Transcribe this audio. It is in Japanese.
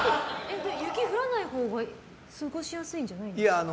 雪降らないほうが過ごしやすいんじゃないですか。